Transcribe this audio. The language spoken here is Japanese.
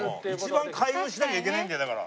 一番開運しなきゃいけないんだよだから。